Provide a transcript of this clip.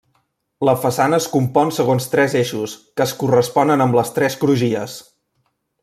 La façana es compon segons tres eixos que es corresponen amb les tres crugies.